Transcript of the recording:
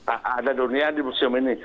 ada dunia di museum ini